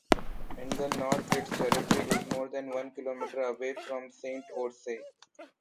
In the North, its territory is more than one kilometer away from Sainte-Orse.